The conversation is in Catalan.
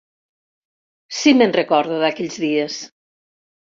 Si me'n recordo d'aquells dies!